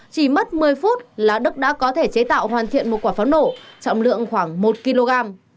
chỉ mất một mươi phút là đức đã có thể chế tạo hoàn thiện một quả pháo nổ trọng lượng khoảng một kg